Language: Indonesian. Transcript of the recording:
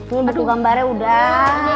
ini bentuk gambarnya udah